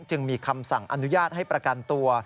จึงมีคำสั่งอนุญาตให้ประกันตัว